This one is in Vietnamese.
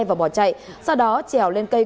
và bỏ chạy sau đó chèo lên cây